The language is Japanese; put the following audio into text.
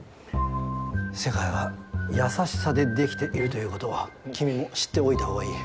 世界は優しさでできているということは君も知っておいた方がいい。